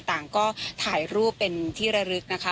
ต่างก็ถ่ายรูปเป็นที่ระลึกนะคะ